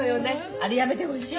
あれやめてほしい。